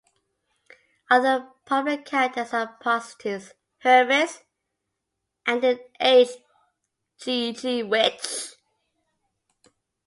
Other prominent characters are prostitutes, hermits, and an aged Geechee witch.